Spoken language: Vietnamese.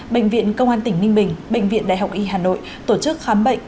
bệnh viện công an tỉnh ninh bình bệnh viện đại học y hà nội tổ chức khám bệnh